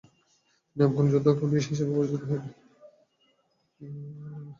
তিনি ‘আফগান যোদ্ধা-কবি’ হিসেবে পরিচিত হয়ে উঠেন।